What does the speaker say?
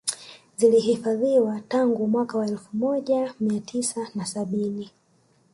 Zilihifadhiwa tangu mwaka wa elfu mojamia tisa na sabini